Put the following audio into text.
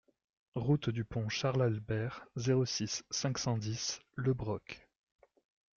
Route du Pont Charles Albert, zéro six, cinq cent dix Le Broc